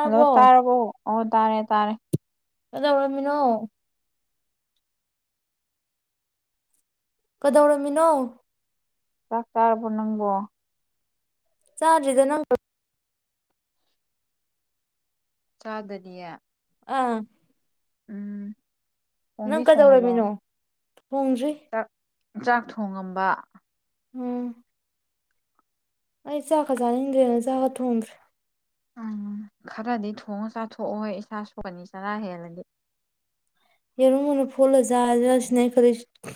hello ꯇꯥꯏꯔꯕꯣ ꯑꯣ ꯇꯥꯔꯦ ꯇꯥꯔꯦ ꯑ ꯎꯔꯃꯤꯅꯣ ꯀꯗꯧꯔꯝꯃꯤꯅꯣ ꯆꯥꯛ ꯆꯥꯔꯕꯣ ꯅꯪꯕꯣ ꯆꯥꯗꯅ ꯆꯥꯗꯅꯌꯥ ꯑꯥ ꯎꯝ ꯊꯣꯡꯗꯤ ꯅꯪ ꯀꯩꯗꯧꯔꯝ ꯊꯣꯡꯉꯕꯣ ꯃꯤꯅꯣ ꯍꯣꯡꯗ꯭ꯔꯤ ꯆꯥꯛ ꯆꯥꯛ ꯊꯣꯡꯉꯝꯕ ꯎꯝ ꯑꯩ ꯆꯥꯛꯀ ꯆꯅꯤꯡꯗꯦꯅ ꯆꯥꯒ ꯊꯣꯡ꯭ꯗꯔꯤ ꯎꯝ ꯈꯔꯗꯤ ꯊꯣꯡꯉ ꯆꯥꯊꯣꯛꯑꯣ ꯌꯦꯔꯨꯝ ꯑꯣꯅ ꯐꯨꯠꯂꯆꯥꯖꯤꯔ ꯁꯤꯅꯦ ꯑꯩ‌ ꯈꯜꯂꯤꯁꯤ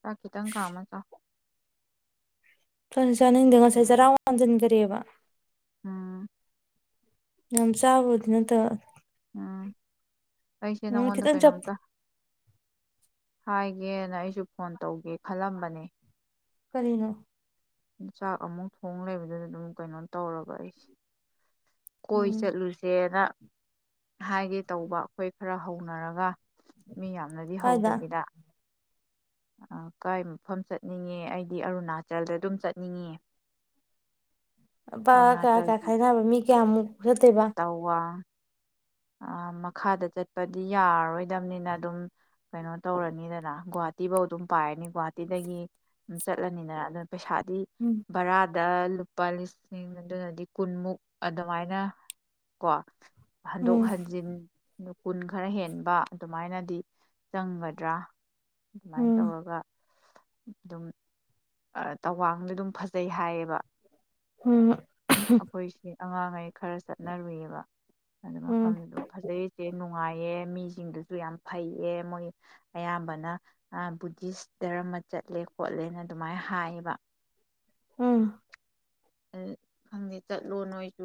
ꯆꯥꯛ ꯈꯤꯇꯪ ꯀꯥꯝꯃ ꯆꯥꯎ ꯐꯅ ꯆꯥꯅꯤꯡꯗꯦ ꯉꯁꯥꯏ ꯆꯔꯥ ꯋꯥꯟꯖꯟꯒꯔ꯭ꯦ ꯕ ꯎꯝ ꯌꯥꯝ ꯆꯥꯕꯕꯨꯗꯤ ꯅꯠꯇꯕ ꯎꯝ ꯑꯩꯁꯦ ꯎꯝ ꯅꯪꯉꯣꯟꯗ ꯈꯤꯇꯪ ꯆꯞ ꯀꯩꯅꯣꯝꯇ ꯍꯥꯏꯒꯦꯅ ꯑꯩꯁꯨ ꯐꯣꯟ ꯇꯧꯒꯦ ꯈꯜꯂꯝꯕꯅꯦ ꯀꯔꯤꯅꯣ ꯆꯥꯛ ꯑꯃꯨꯛ ꯊꯣꯡ ꯂꯩꯕꯗꯨꯅ ꯑꯗꯨꯝ ꯀꯩꯅꯣ ꯇꯧꯔꯕ ꯑꯩꯁꯦ ꯀꯣꯏ ꯎꯝ ꯆꯠꯂꯨꯁꯦꯅ ꯍꯥꯏꯒꯦ ꯇꯧꯕ ꯑꯩꯈꯣꯏ ꯈꯔ ꯍꯧꯅꯔꯒ ꯃꯤ ꯌꯥꯝꯅꯗꯤ ꯀꯥꯏꯗ ꯍꯧꯗꯕꯤꯗ ꯑ ꯀꯥꯏ ꯃꯐꯝ ꯆꯠꯅꯤꯡꯉꯦ ꯑꯩꯗꯤ ꯑꯔꯨꯅꯥꯆꯜꯗꯗꯨꯝ ꯆꯠꯅꯤꯡꯉꯦ ꯕ ꯀꯌꯥ ꯀꯌꯥ ꯈꯥꯏꯅꯕ ꯃꯤ ꯀꯌꯥꯃꯨꯛ ꯔꯠꯇꯕ ꯑ ꯃꯈꯥꯗ ꯆꯠꯄꯗꯤ ꯌꯥꯔꯔꯣꯏꯗꯝꯅꯤꯅ ꯑꯗꯨꯝ ꯀꯩꯅꯣ ꯇꯧꯔꯅꯤꯗꯅ ꯒꯨꯍꯥꯇꯤꯕꯧ ꯑꯗꯨꯝ ꯄꯥꯏꯔꯅꯤ ꯒꯨꯍꯥꯇꯤꯗꯒꯤ ꯑꯗꯨꯝ ꯆꯠꯂꯅꯤꯗꯅ ꯑꯗꯨ ꯄꯩꯁꯥꯗꯤ ꯎꯝ ꯕꯔꯥ ꯗ ꯂꯨꯄꯥ ꯂꯤꯁꯤꯡ ꯑꯗꯨꯅꯗꯤ ꯀꯨꯟꯃꯨꯛ ꯑꯗꯨꯃꯥꯏꯅ ꯀꯣ ꯍꯟꯗꯣꯛ ꯎꯝ ꯍꯟꯖꯤꯟ ꯑ ꯀꯨꯟ ꯈꯔ ꯍꯦꯟꯕ ꯑꯗꯨꯃꯥꯏꯅꯗꯤ ꯆꯪꯒꯗ꯭ꯔꯥ ꯑꯗꯨꯃꯥꯏꯅ ꯎꯝ ꯇꯧꯔꯒ ꯑꯗꯨꯝ ꯑ ꯇꯋꯥꯡꯗ ꯗꯨꯝ ꯐꯖꯩ ꯍꯥꯏꯌꯦꯕ ꯍꯝ ꯑꯩꯈꯣꯏꯁꯤ ꯑꯉꯥꯡꯉꯩ ꯈꯔ ꯆꯠꯅꯔꯨꯏꯌꯦꯕ ꯑꯗꯨ ꯎꯝ ꯃꯐꯝꯗꯨ ꯑꯗꯨꯝ ꯐꯖꯩ ꯆꯦ ꯅꯨꯡꯉꯥꯏꯌꯦ ꯃꯤꯁꯤꯡꯗꯨꯁꯨ ꯌꯥꯝ ꯐꯩꯌꯦ ꯃꯣꯏ ꯑꯌꯥꯝꯕꯅ ꯕꯨꯙꯤꯁ ꯗꯔꯃ ꯆꯠꯂꯦ ꯈꯣꯠꯂꯦꯅ ꯑꯗꯨꯃꯥꯏ ꯍꯥꯏꯌꯦꯕ ꯑꯝ ꯈꯪꯗꯦ ꯆꯠꯂꯣ ꯅꯣꯏꯁꯨ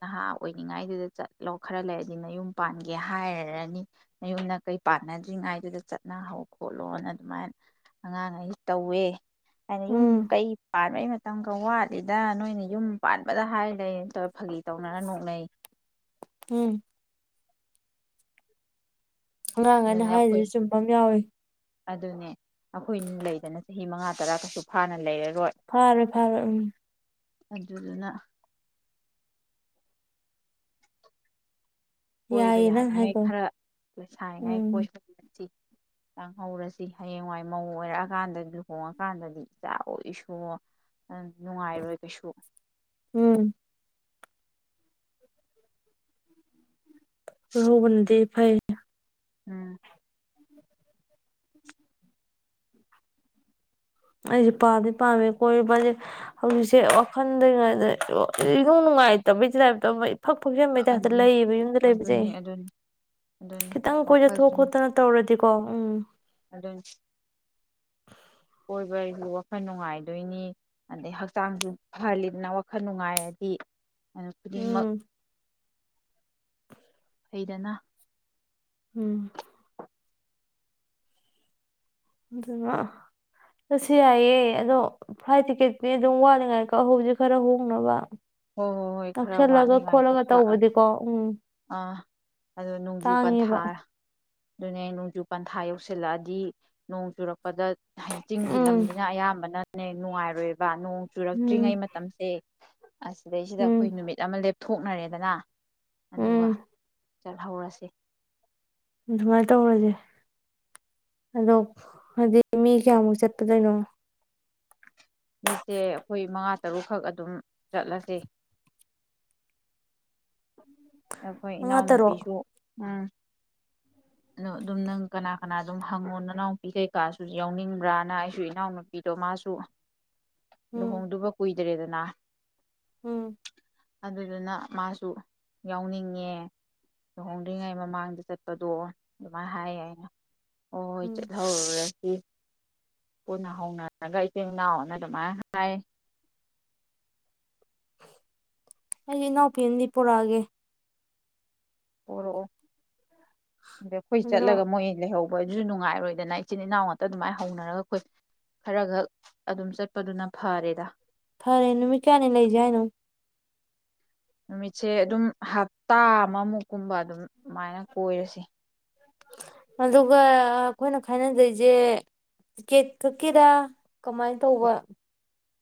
ꯅꯍꯥ ꯑꯣꯏꯅꯤꯡꯉꯥꯏꯗꯨꯗ ꯆꯠꯂꯣ ꯈꯔ ꯂꯩꯔꯗꯤ ꯅꯌꯨꯝ ꯄꯥꯟꯒꯦ ꯍꯥꯏꯔꯅꯤ ꯅꯌꯨꯝ ꯅꯀꯩ ꯄꯥꯟꯅꯗ꯭ꯔꯤꯉꯥꯏꯗꯨꯗ ꯆꯠꯅꯍꯧ ꯈꯣꯠꯂꯣꯅ ꯑꯗꯨꯃꯥꯏꯅ ꯑꯉꯥꯡꯉꯩ ꯇꯧꯋꯦ ꯍꯥꯏꯅ ꯌꯨꯝ ꯎꯝ ꯀꯩ ꯄꯥꯟꯕꯩ ꯃꯇꯝ ꯊꯣꯡꯋꯥꯠ [unintelligible] ꯅꯣꯏꯅ ꯌꯨꯝ ꯄꯥꯟꯕꯗ ꯍꯥꯏ ꯂꯩ ꯇꯧꯔꯦ ꯐꯥꯒꯤ ꯇꯧꯅꯔ ꯅꯣꯛꯅꯩ ꯎꯝ ꯑꯉꯥꯡ ꯑꯅ ꯑꯗꯨꯅꯦ ꯑꯩꯈꯣꯏ ꯍꯥꯏꯔꯤꯁꯨ ꯆꯨꯝꯕ ꯑꯃ ꯌꯥꯎꯏꯤ ꯑꯗꯨꯅꯦ ꯑꯩꯈꯣꯏꯅ ꯂꯩꯗꯅ ꯆꯍꯤ ꯃꯉꯥ ꯇꯔꯥ ꯀꯁꯨ ꯐꯥꯅ ꯂꯩꯔ ꯐꯥꯔꯣꯏ ꯐꯥꯔꯣꯏ ꯎꯝ ꯑꯗꯨꯗꯨꯅ ꯀꯣꯏꯕ ꯌꯥꯏꯌꯦ ꯅꯪ ꯌꯥꯔꯤꯉꯩ ꯍꯥꯏꯗꯣ ꯈꯔ ꯂꯣꯏꯁꯥꯔꯤꯉꯩ ꯎꯝ ꯀꯣꯏꯍꯁꯤ ꯂꯥꯡꯍꯧꯔꯁꯤ ꯍꯌꯦꯡꯋꯥꯏ ꯃꯧ ꯑꯣꯏꯔꯛꯑꯀꯥꯟꯗ ꯂꯨꯍꯣꯡꯉꯀꯥꯟꯗꯗꯤ ꯏꯆꯥꯑꯣ ꯏꯁꯨꯑꯣ ꯅꯨꯡꯉꯥꯏꯔꯣꯏ ꯀꯩꯁꯨ ꯎꯝ ꯂꯧꯍꯧꯕꯟꯗꯤ ꯐꯩ ꯎꯝ ꯑꯩꯁꯦ ꯄꯥꯝꯗꯤ ꯄꯥꯝꯃꯦ ꯀꯣꯏ ꯄꯁꯦ ꯍꯧꯖꯤꯛꯁꯦ ꯋꯥꯈꯜꯗ꯭ꯔꯤꯉꯩꯗ ꯏ ꯅꯨꯡꯉꯥꯏꯇꯕꯩ ꯇꯥꯏꯞꯇ ꯐꯛ ꯐꯁꯦꯝꯕ ꯇꯥꯏꯞꯇ ꯑꯗꯨꯅꯤ ꯂꯩꯌꯦꯕ ꯌꯨꯝꯗ ꯂꯩꯕꯁꯦ ꯑꯗꯨꯅꯤ ꯑꯗꯨꯅꯤ ꯑꯗꯨꯅꯤ ꯈꯤꯇꯪ ꯋꯥꯈꯜ ꯀꯣꯏꯊꯣꯛ ꯁꯨꯝ ꯈꯣꯠꯇꯅ ꯇꯧꯔꯗꯤꯀꯣ ꯎꯝ ꯀꯣꯏꯕꯁꯨ ꯋꯥꯈꯜ ꯅꯨꯡꯉꯥꯏꯗꯣꯏꯅꯤ ꯑꯗꯩ ꯍꯛꯆꯥꯡꯁꯨ ꯐꯍꯜꯂꯤꯗꯅ ꯋꯥꯈꯜ ꯅꯨꯡꯉꯥꯏꯔꯗꯤ ꯑ ꯈꯨꯗꯤꯡꯃꯛ ꯎꯝ ꯍꯩꯗꯅ ꯎꯝ ꯑꯗꯨꯅ ꯆꯠꯁꯦ ꯌꯥꯏꯌꯦ ꯑꯗꯣ ꯐ꯭ꯂꯥꯏꯠ ꯇꯤꯛꯀꯦꯠꯇꯤ ꯑꯗꯨꯝ ꯋꯥꯠꯂꯤꯉꯥꯏ ꯀꯛꯍꯧꯁꯦ ꯈꯔ ꯍꯣꯡꯅꯕ ꯍꯣꯏ ꯍꯣꯏ ꯍꯣꯏ ꯈꯔ ꯅꯛꯁꯜꯂꯒ ꯋꯥꯠꯂꯤꯉꯥꯏꯗ ꯈꯣꯠꯂꯒ ꯀꯛꯑ ꯇꯧꯕꯗꯤꯀꯣ ꯎꯝ ꯑꯥ ꯑꯗꯨꯣ ꯅꯣꯡꯖꯨ ꯄꯟꯊꯥ ꯇꯥꯡꯉꯦꯕ ꯑꯗꯨꯅꯦ ꯅꯣꯡꯖꯨ ꯄꯟꯊꯥ ꯌꯧꯁꯤꯜꯂꯛꯑꯗꯤ ꯅꯣꯡ ꯆꯨꯔꯛꯄꯗ ꯍꯥꯏꯗꯤ ꯆꯤꯡꯒꯤ ꯎꯝ ꯂꯝꯅꯤꯅ ꯑꯌꯥꯝꯕꯅ ꯅ ꯅꯨꯡꯉꯥꯏꯔꯣꯏ ꯕꯥ ꯅꯣꯡ ꯆꯨꯔꯛꯇ꯭ꯔꯤꯉꯩ ꯎꯝ ꯃꯇꯝꯁꯦ ꯑꯁꯤꯗꯩꯁꯤꯗ ꯑꯩꯈꯣꯏ ꯎꯝ ꯅꯨꯃꯤꯠ ꯑꯃ ꯂꯦꯞ ꯊꯣꯛꯅꯔꯦꯗꯅ ꯎꯝ ꯑꯗꯨꯒ ꯆꯠꯍꯧꯔꯁꯤ ꯑꯗꯨꯃꯥꯏꯅ ꯇꯧꯔꯁꯦ ꯑꯗꯣ ꯍꯥꯏꯗꯤ ꯃꯤ ꯀꯌꯥꯃꯨꯛ ꯆꯠꯄꯗꯣꯏꯅꯣ ꯃꯤꯁꯦ ꯑꯩꯈꯣꯏ ꯃꯉꯥ ꯇꯔꯨꯛꯈꯛ ꯑꯗꯨꯝ ꯆꯠꯂꯁꯦ ꯑꯩꯈꯣꯏ ꯃꯉꯥ ꯇꯔꯨꯛ ꯏꯅꯥꯎꯅꯨꯄꯤꯁꯨ ꯎꯝ ꯑꯗꯣ ꯑꯗꯨꯝ ꯅꯪ ꯀꯅꯥ ꯀꯅꯥ ꯑꯗꯨꯝ ꯍꯪꯉꯣ ꯅꯅꯥꯎꯄꯤ ꯀꯩꯀꯥꯁꯨ ꯌꯥꯎꯅꯤꯡꯕ꯭ꯔꯥꯅ ꯑꯩꯁꯨ ꯏꯅꯥꯎꯅꯨꯄꯤꯗꯣ ꯃꯥꯁꯨ ꯎꯝ ꯂꯨꯍꯣꯡꯗꯨꯕ ꯀꯨꯏ ꯗꯔꯤꯗꯅ ꯎꯝ ꯑꯗꯨꯗꯨꯅ ꯃꯥꯁꯨ ꯌꯥꯎꯅꯤꯡꯉꯦ ꯂꯨꯍꯣꯡꯗ꯭ꯔꯤꯉꯩ ꯃꯃꯥꯡꯗ ꯆꯠꯄꯗꯣ ꯑꯗꯨꯃꯥꯏꯅ ꯍꯥꯏꯌꯦ ꯑꯩꯅ ꯑꯣ ꯍꯣꯏ ꯎꯝ ꯍꯦ ꯎꯝ ꯄꯨꯅ ꯍꯧꯅꯔꯒ ꯏꯆꯤꯟꯜ ꯏꯅꯥꯎꯅ ꯑꯗꯨꯃꯥꯏꯅ ꯍꯥꯏ ꯑꯩꯒꯤ ꯏꯅꯥꯎꯄꯤꯅꯤ ꯄꯨꯣꯔꯛꯑꯒꯦ ꯄꯔꯛꯑꯣ ꯑꯗ ꯑꯩꯈꯣꯏ ꯑꯗꯣ ꯆꯠꯂꯒ ꯃꯣꯏ ꯂꯩꯍꯧꯕ ꯕꯣꯏ ꯑꯗꯨꯁꯨ ꯅꯨꯡꯉꯥꯏꯔꯣꯏꯗꯅ ꯏꯆꯤꯟꯜ ꯏꯅꯥꯎ ꯉꯥꯛꯇ ꯑꯗꯨꯃꯥꯏꯅ ꯍꯧꯅꯔꯒ ꯑꯩꯈꯣꯏ ꯈꯔ ꯈꯛ ꯑꯗꯨꯝ ꯆꯠꯄꯗꯨꯅ ꯐꯔꯦꯗ ꯐꯔꯦ ꯅꯨꯃꯤꯠ ꯀꯌꯥꯅꯤ ꯂꯩꯁꯦ ꯍꯥꯏꯅꯣ ꯅꯨꯃꯤꯠꯁꯦ ꯑꯗꯨꯝ ꯍꯞꯇꯥ ꯑꯃꯃꯨꯛꯀꯨꯝꯕ ꯑꯗꯨꯝ ꯑꯗꯨꯃꯥꯏꯅ ꯀꯣꯏꯔꯁꯤ ꯑꯗꯨꯒ ꯑꯩꯈꯣꯏꯅ ꯈꯥꯏꯅꯖꯔꯤꯁꯦ ꯇꯤꯛꯀꯦꯠ ꯈꯛꯀꯤꯗ ꯀꯃꯥꯏꯅ ꯇꯧꯕ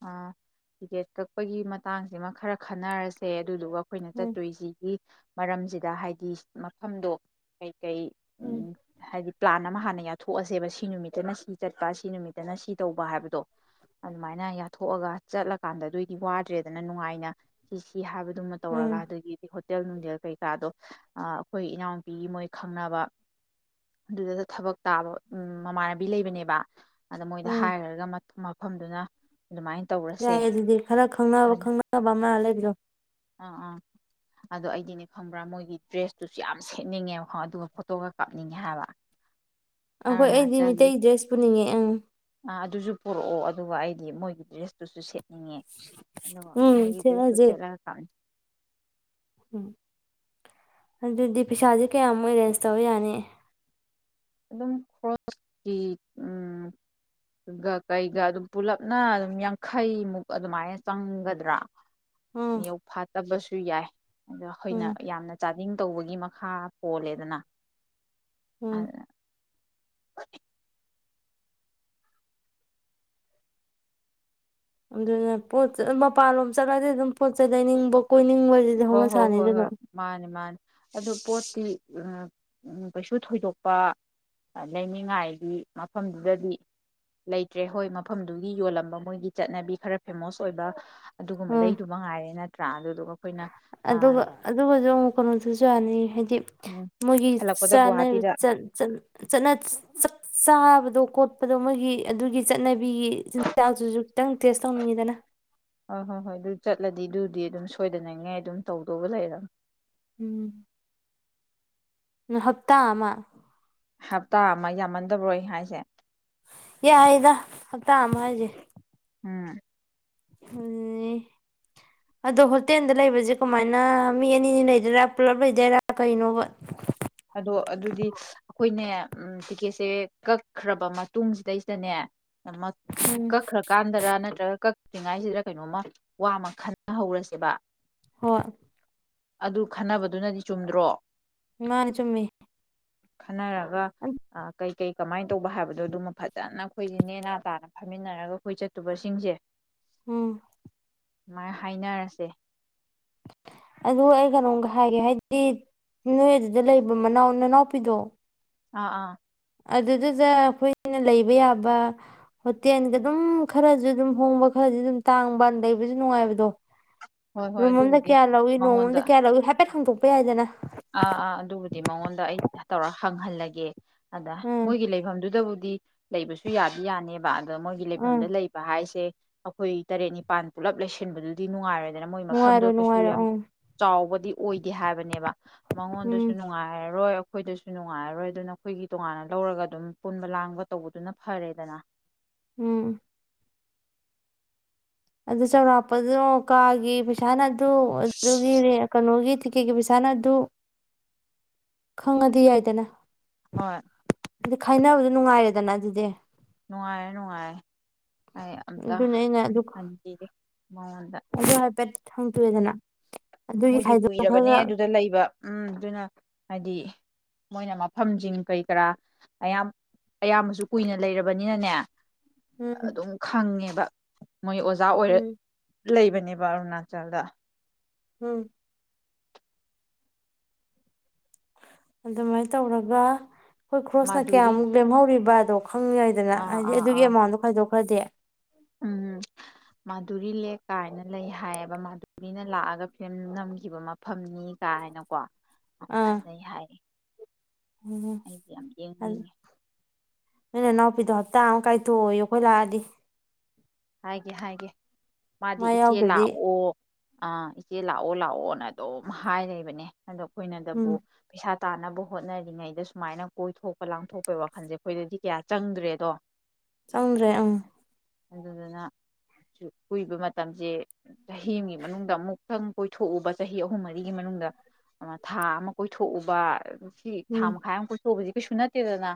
ꯑ ꯇꯤꯀꯦꯠ ꯀꯛꯄꯒꯤ ꯃꯇꯥꯡꯁꯤꯃ ꯈꯔ ꯈꯟꯅꯔꯁꯦ ꯑꯗꯨꯗꯨꯒ ꯑꯩꯈꯣꯏꯅ ꯎꯝ ꯆꯠꯇꯣꯏꯁꯤꯒꯤ ꯃꯔꯝꯁꯤꯗ ꯍꯥꯏꯗꯤ ꯃꯐꯝꯗꯣ ꯀꯩ ꯎꯝ ꯍꯥꯏꯗꯤ ꯄ꯭ꯂꯥꯟ ꯑꯃ ꯍꯥꯟꯅ ꯌꯥꯊꯣꯛꯑꯁꯦꯕ ꯁꯤ ꯅꯨꯃꯤꯠꯇꯅ ꯁꯤ ꯆꯠꯄ ꯁꯤ ꯅꯨꯃꯤꯠꯇꯅ ꯁꯤ ꯇꯧꯕ ꯍꯥꯏꯕꯗꯣ ꯑꯗꯨꯃꯥꯏꯅ ꯊꯣꯛꯑꯒ ꯆꯠꯂꯀꯥꯟꯗ ꯑꯗꯨꯑꯣꯏꯗꯤ ꯋꯥꯗ꯭ꯔꯦꯗꯅ ꯅꯨꯡꯉꯥꯏꯅ ꯁꯤ ꯁꯤ ꯍꯥꯏꯕ ꯑꯗꯨꯃ ꯎꯝ ꯇꯧꯔꯒ ꯑꯗꯨꯗꯒꯤꯗꯤ ꯍꯇꯦꯜ ꯅꯨꯡꯊꯦꯜ ꯀꯩꯀꯥꯗꯣ ꯑꯩꯈꯣꯏ ꯏꯅꯥꯎꯅꯨꯄꯤꯒꯤ ꯃꯣꯏ ꯈꯪꯅꯕ ꯑꯗꯨꯗ ꯊꯕꯛ ꯇꯥꯕ ꯎ ꯃꯃꯥꯟꯅꯕꯤ ꯂꯩꯕꯅꯦꯕ ꯑꯗ ꯃꯣꯏꯗ ꯎꯝ ꯍꯥꯏꯔꯒ ꯃꯐꯝꯗꯨꯅ ꯑꯗꯨꯃꯥꯏꯅ ꯇꯧꯔꯁꯦ ꯌꯥꯏꯌꯦ ꯑꯗꯨꯗꯤ ꯈꯔ ꯈꯪꯅꯕ ꯍꯜ ꯈꯪꯅꯕ ꯃꯥ ꯂꯩ [inaudible] ꯑꯥ ꯑꯥ ꯑꯗꯨꯗꯣ ꯑꯩꯗꯤꯅꯦ ꯈꯪꯕ꯭ꯔꯥ ꯃꯣꯏꯒꯤ ꯗ꯭ꯔꯦꯁꯇꯨꯁꯨ ꯌꯥꯝ ꯁꯦꯠꯅꯤꯡꯉꯦꯕꯣ ꯑꯗꯨꯒ ꯐꯣꯇꯣꯒ ꯀꯥꯞꯅꯤꯡꯉꯦ ꯍꯥꯏꯕ ꯑꯩꯈꯣꯏ ꯑꯩꯗꯤ ꯑꯔꯨꯅꯥꯆꯜꯒꯤ ꯃꯤꯇꯩ ꯗ꯭ꯔꯦꯁ ꯄꯨꯅꯤꯡꯉꯦ ꯑꯪ ꯑꯥ ꯑꯗꯨꯁꯨ ꯄꯨꯔꯛꯑꯣ ꯑꯗꯨꯒ ꯑꯩꯗꯤ ꯃꯣꯏꯒꯤ ꯗ꯭ꯔꯦꯁꯇꯨꯁꯨ ꯁꯦꯠꯦ ꯎꯝ ꯊꯃꯖꯦ ꯁꯦꯠꯂꯒ ꯀꯥꯞꯅꯤ ꯎꯝ ꯑꯗꯨꯗꯤ ꯄꯩꯁꯥꯁꯦ ꯀꯌꯥꯃꯨꯛ ꯑꯦꯔꯦꯟꯖ ꯇꯧꯧꯕ ꯌꯥꯅꯤ ꯑꯗꯨꯝ ꯈ꯭ꯔꯣꯁꯀꯤ ꯎ ꯀꯩꯒ ꯑꯗꯨꯝ ꯄꯨꯂꯞꯅ ꯑꯗꯨꯝ ꯌꯥꯡꯈꯩꯃꯨꯛ ꯑꯗꯨꯃꯥꯏꯅ ꯆꯪꯒꯗ꯭ꯔꯥ ꯎꯝ ꯌꯥꯎ ꯐꯥꯠ ꯇꯕꯁꯨ ꯌꯥꯏ ꯑꯗꯣ ꯑꯩꯈꯣꯏꯅ ꯎꯝ ꯌꯥꯝꯅ ꯆꯥꯗꯤꯡ ꯇꯧꯕꯒꯤ ꯃꯈꯥ ꯄꯣꯜꯂꯦꯗꯅ ꯑꯝ [inaudible] ꯑꯗꯨꯅ ꯄꯣꯠ ꯆꯩ ꯃꯄꯥꯟꯂꯣꯝ ꯆꯠꯂꯗꯤ ꯑꯗꯨꯝ ꯄꯣꯠ ꯆꯩ ꯂꯩꯅꯤꯡꯕ ꯀꯨꯏ ꯍꯣꯏ ꯍꯣꯏ ꯍꯣꯏ ꯍꯣꯏ ꯃꯥꯅꯤ ꯃꯥꯅꯤ ꯑꯗꯨ ꯄꯣꯠꯇꯤ ꯀꯩꯁꯨ ꯊꯣꯏꯗꯣꯛꯄ ꯂꯩꯅꯤꯡꯉꯥꯏꯗꯤ ꯃꯐꯝꯗꯨꯗꯗꯤ ꯂꯩꯇ꯭ꯔꯦ ꯍꯣꯏ ꯃꯐꯝꯗꯨꯒꯤ ꯌꯣꯜꯂꯝꯕ ꯃꯣꯏꯒꯤ ꯆꯠꯅꯕꯤ ꯈꯔ ꯐꯦꯃꯣꯁ ꯑꯣꯏꯕ ꯑꯗꯨꯒꯨꯝꯕ ꯎꯝ ꯂꯩꯗꯨ ꯃ ꯉꯥꯏꯔꯦꯅ ꯇ꯭ꯔꯥ ꯑꯗꯨ ꯑꯗꯨ ꯑꯗꯨꯒ ꯑꯗꯨꯒꯁꯨ ꯑꯃꯨꯛ ꯀꯩꯅꯣꯁꯨ ꯆꯥꯅꯩ ꯍꯥꯏꯗꯤ ꯃꯣꯏꯒꯤ ꯍꯜꯂꯛꯄꯗ ꯒꯨꯍꯥꯇꯤꯗ ꯆꯥꯕꯗꯣ ꯀꯣꯠꯄꯗꯣ ꯃꯣꯏꯒꯤ ꯑꯗꯨꯒꯤ ꯆꯠꯅꯕꯤꯒꯤ ꯆꯤꯟꯖꯥꯛꯗꯨꯁꯨ ꯈꯤꯇꯪ ꯇꯦꯁ ꯇꯧꯅꯤꯡꯉꯤꯗꯅ ꯍꯣꯏ ꯍꯣꯏ ꯍꯣꯏ ꯑꯗꯨ ꯆꯠꯂꯗꯤ ꯑꯗꯨꯗꯤ ꯑꯗꯨꯝ ꯁꯣꯏꯗꯅꯉꯥꯏ ꯑꯗꯨꯝ ꯇꯧꯗꯧꯕ ꯂꯩꯔꯕꯝꯅꯤ ꯎꯝ ꯎ ꯍꯞꯇꯥ ꯑꯃ ꯍꯞꯇꯥ ꯑꯃ ꯌꯥꯝꯃꯟꯗꯕꯔꯣꯏ ꯍꯥꯏꯁꯦ ꯌꯥꯏꯗ ꯍꯞ ꯇꯃ ꯍꯥꯏꯖꯤꯦ ꯎꯝ ꯎ ꯑꯗꯣ ꯍꯣꯇꯦꯜꯗ ꯂꯩꯕꯁꯦ ꯀꯃꯥꯏꯅ ꯃꯤ ꯑꯅꯤꯅꯤ ꯂꯩꯗꯣꯏꯔꯥ ꯄꯨꯂꯞ ꯂꯩꯗꯣꯏꯔꯥ ꯀꯩꯅꯣꯕ ꯑꯗꯣ ꯑꯗꯨꯗꯤ ꯑꯩꯈꯣꯏꯅꯦ ꯇꯤꯛꯀꯦꯠꯁꯦ ꯀꯛꯈ꯭ꯔꯕ ꯃꯇꯨꯡꯁꯤꯗꯩꯁꯤꯗꯅꯦ ꯎꯝ ꯀꯛꯈ꯭ꯔ ꯀꯥꯟꯗꯔꯥ ꯅꯠꯇ꯭ꯔꯒ ꯀꯔꯤꯉꯥꯏꯁꯤꯗ ꯀꯩꯅꯣꯝꯃ ꯋꯥꯃ ꯈꯟꯅꯍꯧꯔꯁꯦꯕ ꯍꯣꯏ ꯑꯗꯨ ꯈꯟꯅꯕꯗꯨꯅꯗꯤ ꯆꯨꯝꯗ꯭ꯔꯣ ꯉꯅꯦ ꯆꯨꯝꯃꯤ ꯈꯟꯅꯔꯒ ꯀꯩ ꯀꯩ ꯀꯃꯥꯏꯅ ꯇꯧꯕ ꯍꯥꯏꯕꯗꯣ ꯑꯗꯨꯃ ꯐꯖꯅ ꯑꯩꯈꯣꯏꯁꯦ ꯅꯦꯅꯥ ꯇꯥꯅ ꯐꯝꯃꯤꯟꯅꯔꯒ ꯑꯩꯈꯣꯏ ꯆꯠꯇꯨꯕꯁꯤꯡꯁꯦ ꯎꯝ ꯁꯨꯃꯥꯏꯅ ꯍꯥꯏꯅꯔꯁꯦ ꯑꯗꯨ ꯑꯩ ꯀꯩꯅꯣꯝꯒ ꯍꯥꯏꯒꯦ ꯍꯥꯏꯗꯤ ꯅꯣꯏ ꯑꯗꯨꯗ ꯂꯩꯕ ꯃꯅꯥꯎ ꯅꯅꯥꯎꯄꯤꯗꯣ ꯑꯥ ꯑꯥ ꯑꯗꯨꯗꯨꯗ ꯑꯩꯈꯣꯏꯅ ꯂꯩꯕ ꯌꯥꯕ ꯍꯣꯇꯦꯜꯒ ꯑꯗꯨꯝ ꯈꯔꯁꯨ ꯑꯗꯨꯝ ꯍꯣꯡꯕ ꯈꯔꯗꯤ ꯑꯗꯨꯝ ꯇꯥꯡꯕꯅ ꯂꯩꯕꯁꯨ ꯅꯨꯡꯉꯥꯏꯕꯗꯣ ꯍꯣꯏ ꯍꯣꯏ ꯔꯨꯃꯣꯟꯗ ꯑꯗꯨꯕꯨꯗꯤ ꯀꯌꯥ ꯂꯏ ꯃꯉꯣꯟꯗ ꯅꯣꯡꯃꯣꯟꯗ ꯀꯌꯥ ꯂꯧꯎꯏ ꯍꯥꯏꯐꯦꯠ ꯈꯥꯡꯗꯣꯛꯄ ꯌꯥꯏꯗꯅ ꯑꯥ ꯑꯥ ꯑꯗꯨꯕꯨꯗꯤ ꯃꯉꯣꯟꯗ ꯑꯩ ꯇꯧꯔ ꯍꯪꯍꯜꯂꯒꯦ ꯑꯗ ꯎꯝ ꯃꯣꯏꯒꯤ ꯂꯩꯐꯝꯗꯨꯗꯕꯨ ꯗꯤ ꯂꯩꯕꯁꯨ ꯌꯥꯗꯤ ꯌꯥꯅꯦꯕ ꯑꯗꯣ ꯃꯣꯏꯒꯤ ꯎꯝ ꯂꯩꯐꯝꯗ ꯂꯩꯕ ꯍꯥꯏꯁꯦ ꯑꯩꯈꯣꯏ ꯇꯔꯦꯠ ꯅꯤꯄꯥꯟ ꯄꯨꯜꯂꯞ ꯂꯩꯁꯟꯕꯗꯨꯗꯤ ꯅꯨꯡꯉꯥꯏꯔꯅꯤ ꯑꯗꯨꯅ ꯃꯣꯏ ꯃꯐꯝꯗꯣ ꯅꯨꯡꯉꯥꯏꯔꯣ ꯀꯩꯁꯨ ꯅꯨꯡꯉꯥꯏꯔꯣ ꯌꯥꯝ ꯎꯝ ꯆꯥꯎꯕ ꯗꯤ ꯑꯣꯏꯒꯦ ꯍꯥꯏꯕꯅꯦꯕ ꯎꯝ ꯃꯉꯣꯟꯗꯨꯁꯨ ꯅꯨꯡꯉꯥꯏꯔꯔꯣꯏ ꯑꯩꯈꯣꯏꯗꯁꯨ ꯅꯨꯡꯉꯥꯏꯔꯔꯣꯏ ꯑꯗꯨꯅ ꯑꯩꯈꯣꯏꯒꯤ ꯇꯣꯉꯥꯟꯅ ꯂꯧꯔꯒ ꯑꯗꯨꯝ ꯄꯨꯟꯕ ꯂꯥꯡꯕ ꯇꯧꯕꯗꯨꯅ ꯐꯔꯦꯗꯅ ꯎꯝ ꯑꯗꯨ ꯆꯥꯎꯧꯔꯥꯛꯄꯗꯨꯅ ꯀꯥꯒꯤ ꯄꯩꯁꯥ ꯇ ꯑꯗꯨꯒꯤ ꯔꯦ ꯀꯩꯅꯣꯒꯤ ꯇꯤꯛꯀꯦꯠꯀꯤ ꯄꯩꯁꯥꯅ ꯑꯗꯨ ꯈꯪꯉꯗꯤ ꯌꯥꯏꯗꯅ ꯍꯣꯏ ꯑꯗꯨ ꯈꯥꯏꯅꯕ ꯅꯨꯡꯉꯥꯏꯔꯦꯗꯅ ꯑꯗꯨꯗꯤ ꯅꯨꯡꯉꯥꯏ ꯅꯨꯡꯉꯥꯏ ꯑꯩ ꯑꯝꯇ ꯑꯗꯨꯅ ꯑꯩꯅ ꯑꯗꯨ ꯍꯟꯒꯤ ꯃꯉꯣꯟꯗ ꯊꯪꯗꯑꯦꯗꯅ ꯃꯣꯏꯗꯤ ꯀꯨꯏꯔꯕꯅꯦ ꯑꯗꯨꯗ ꯂꯩꯕ ꯎꯝ ꯑꯗꯨꯅ ꯍꯥꯏꯗꯤ ꯃꯣꯏꯅ ꯃꯐꯝꯁꯤꯡ ꯀꯔꯤ ꯀꯔꯥ ꯑꯌꯥꯝ ꯑꯌꯥꯝꯕꯁꯨ ꯀꯨꯏꯅ ꯂꯩꯔꯕꯅꯤꯅꯅꯦ ꯎꯝ ꯑꯗꯨꯝ ꯈꯪꯉꯦꯅ ꯗ ꯃꯣꯏ ꯑꯣꯖꯥ ꯑꯣꯏꯔꯦ ꯎꯝ ꯂꯩꯕꯅꯦꯕ ꯑꯔꯨꯅꯥꯆꯜꯗ ꯎꯝ ꯑꯗꯨꯃꯥꯏꯅ ꯇꯧꯔꯒ ꯑꯩꯈꯣꯏ ꯈ꯭ꯔꯣꯁꯅ ꯃꯥꯗꯨꯔꯤ ꯀꯌꯥꯃꯨꯛ ꯂꯦꯝꯍꯧꯔꯤꯕ ꯈꯪꯉꯏꯗꯅ ꯑꯥ ꯍꯥꯏꯗꯤ ꯑꯥ ꯑꯗꯨꯒꯤ ꯑꯥ ꯑꯦꯃꯥꯎꯟꯗꯣ ꯈꯥꯏꯗꯣꯛ ꯐꯖꯦꯛ ꯎꯝ ꯃꯥꯗꯨꯔꯤ ꯂꯦꯛ ꯀꯥꯏꯅ ꯂꯩ ꯍꯥꯏꯌꯦꯕ ꯃꯥꯗꯨꯔꯤꯅ ꯂꯥꯛꯑꯒ ꯐꯤꯕꯝ ꯅꯝꯈꯤꯕ ꯃꯐꯝꯅꯤ ꯀꯥꯏꯅꯀꯣ ꯑ ꯑꯥ ꯐꯖꯩ ꯍꯥꯏ ꯎꯝ ꯑꯩꯗꯤ ꯌꯥꯝ ꯌꯦꯡꯅꯤꯡꯉꯦ ꯃꯅ ꯅꯅꯥ ꯄꯤꯗꯣ ꯍꯥ ꯇꯥꯡ ꯑꯃ ꯀꯥꯏꯊꯣꯛꯏꯣ ꯑꯩꯈꯣꯏ ꯂꯥꯛꯑꯗꯤ ꯍꯥꯏꯒꯦ ꯍꯥꯏꯒꯦ ꯃꯥꯗꯤ ꯃꯥ ꯏꯆꯦ ꯌꯥꯎꯗ꯭ꯔꯗꯤ ꯂꯥꯛꯑꯣ ꯑꯥ ꯏꯆꯦ ꯂꯥꯛꯑꯣ ꯂꯥꯛꯑꯣꯅ ꯑꯗꯨꯝ ꯍꯥꯏꯔꯕꯅꯦ ꯑꯗꯣ ꯎꯝ ꯑꯩꯈꯣꯏꯅꯗꯕꯨ ꯄꯩꯁꯥ ꯇꯥꯅꯕ ꯍꯣꯠꯅꯔꯤꯉꯩꯗ ꯁꯨꯃꯥꯏꯅ ꯀꯣꯏꯊꯣꯛꯄ ꯂꯥꯡꯊꯣꯛꯄꯩ ꯋꯥꯈꯜꯁꯦ ꯑꯩꯈꯣꯏꯗꯗꯤ ꯀꯌꯥ ꯆꯪꯗ꯭ꯔꯦꯗꯣ ꯆꯪ꯭ꯔꯦ ꯑꯪ ꯑꯗꯨꯗꯨꯅ ꯀꯨꯏꯕ ꯃꯇꯝꯁꯦ ꯆꯍꯤꯒꯤ ꯃꯅꯨꯡꯗ ꯑꯃꯨꯛꯇꯪ ꯀꯣꯏꯊꯣꯛꯎꯕ ꯆꯍꯤ ꯑꯍꯨꯝ ꯃꯔꯤꯒꯤ ꯃꯅꯨꯡꯗ ꯑꯃ ꯊꯥ ꯑꯃ ꯀꯣꯏꯊꯣꯛꯎꯕ ꯁꯤ ꯎꯝ ꯊꯝꯃ ꯈꯥꯏ ꯑꯃ ꯀꯁꯨ ꯍꯧꯕꯖꯤ ꯅ ꯗꯅ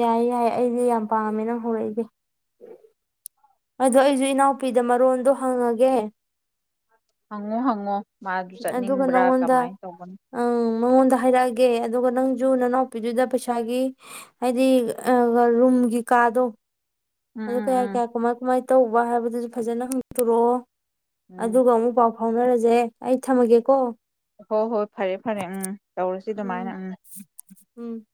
ꯌꯥꯏ ꯌꯥꯏ ꯑꯩꯗꯤ ꯌꯥꯝ ꯄꯥꯝꯃꯦ ꯅꯪ ꯍꯧꯔꯛꯏꯁꯦ ꯑꯗꯣ ꯑꯩꯁꯨ ꯏꯅꯥꯎꯄꯤꯗ ꯃꯔꯣꯟꯗꯣ ꯍꯪꯉꯒꯦ ꯍꯉꯣ ꯍꯪꯉꯣ ꯃꯥꯗꯨ ꯑꯗꯨꯒ ꯆꯠꯅꯤꯡꯕ꯭ꯔꯥ ꯅꯪꯉꯣꯟꯗ ꯀꯃꯥꯏꯅ ꯇꯧꯧꯕꯅꯣ ꯑꯪ ꯃꯉꯣꯟꯗ ꯍꯥꯏꯔꯛꯑꯒꯦ ꯑꯗꯨꯒ ꯅꯪꯁꯨ ꯅꯅꯥꯎꯄꯤꯗꯨꯗ ꯄꯩꯁꯥꯒꯤ ꯍꯥꯏꯗꯤ ꯔꯨꯝꯒꯤ ꯀꯥꯗꯣ ꯎꯝ ꯑꯗꯨꯗ ꯀ ꯎꯝ ꯌꯥꯀ ꯎꯝ ꯌꯥ ꯀꯨꯃꯥꯏ ꯀꯃꯥꯏ ꯇꯧꯕ ꯍꯥꯏꯕꯗꯨꯁꯨ ꯐꯖꯅ ꯍꯪꯗꯣꯔꯑꯣ ꯎꯝ ꯑꯗꯨꯒ ꯑꯃꯨꯛ ꯄꯥꯎ ꯐꯥꯎꯅꯔꯁꯦ ꯑꯩ ꯊꯝꯃꯒꯦꯀꯣ ꯍꯣꯏ ꯍꯣꯏ ꯐꯔꯦ ꯐꯔꯦ ꯎꯝ ꯇꯧꯔꯁꯤ ꯎꯝ ꯑꯗꯨꯃꯥꯏꯅ ꯎꯪ ꯎꯝ